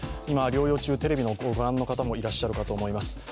今、療養中、テレビを御覧の方もいらっしゃると思います。